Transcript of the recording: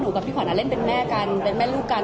กับพี่ขวัญเล่นเป็นแม่กันเป็นแม่ลูกกัน